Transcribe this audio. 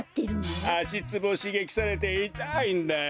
あしツボをしげきされていたいんだよ。